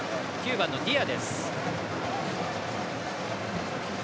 ９番のディアです。